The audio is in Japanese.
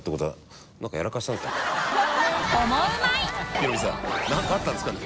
ヒロミさん何かあったんですかね？